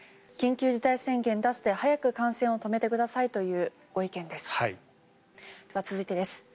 緊急事態宣言出して早く感染を止めてくださいというご意見です。